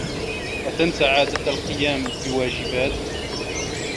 أتنسى عادة القيام بواجبات؟